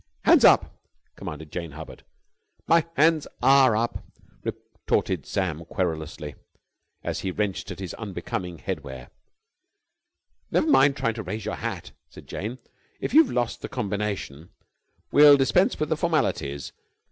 "Hands up!" commanded Jane Hubbard. "My hands are up!" retorted Sam querulously, as he wrenched at his unbecoming head wear. "Never mind trying to raise your hat," said Jane. "If you've lost the combination, we'll dispense with the formalities.